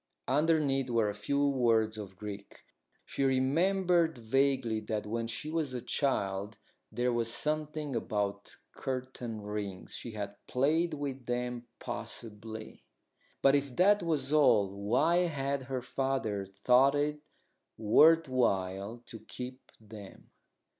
Underneath were a few words of Greek. She remembered vaguely that when she was a child there was something about curtain rings she had played with them, possibly. But if that was all, why had her father thought it worth while to keep them?